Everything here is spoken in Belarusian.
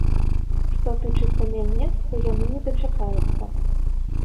Што тычыцца мяне, то яны не дачакаюцца.